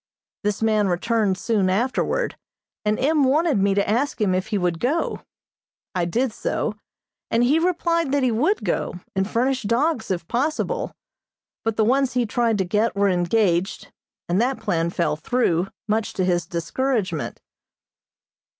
This man returned soon afterward, and M. wanted me to ask him if he would go. I did so, and he replied that he would go, and furnish dogs if possible; but the ones he tried to get were engaged, and that plan fell through, much to his discouragement.